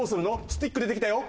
スティック出てきたよ